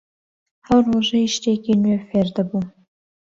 هەر ڕۆژەی شتێکی نوێ فێر دەبووم